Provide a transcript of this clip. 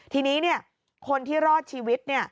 ทีนี้คนที่รอดชีวิต